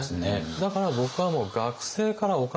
だから僕はもう学生からお金取るなと。